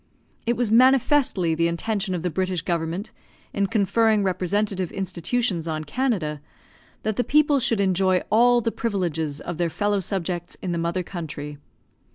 It was manifestly the intention of the British government, in conferring representative institutions on Canada, that the people should enjoy all the privileges of their fellow subjects in the mother country.